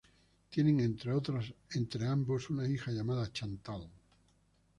Tienen entre ambos una hija llamada Chantal.